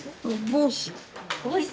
帽子。